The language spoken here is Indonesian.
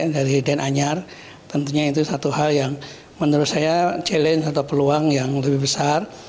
dari den anyar tentunya itu satu hal yang menurut saya challenge atau peluang yang lebih besar